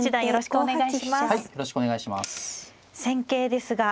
よろしくお願いします。